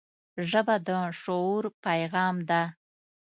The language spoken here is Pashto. ژبه د شعور پیغام ده